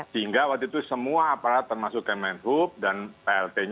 sehingga waktu itu semua aparat termasuk kemenhub dan plt nya